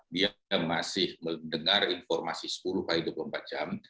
dia masih mendengar informasi sepuluh x dua puluh empat jam